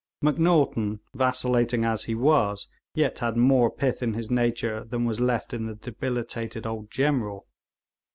Macnaghten, vacillating as he was, yet had more pith in his nature than was left in the debilitated old general.